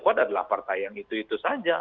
kuat adalah partai yang itu itu saja